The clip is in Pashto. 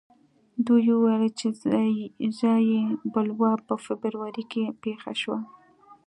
دوی وویل چې ځايي بلوا په فبروري کې پېښه شوه.